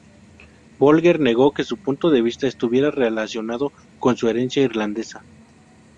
Bolger negó que su punto de vista estuviera relacionado con su herencia irlandesa.